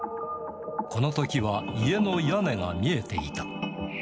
このときは家の屋根が見えていた。